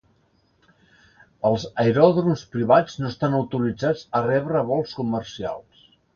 Els aeròdroms privats no estan autoritzats a rebre vols comercials.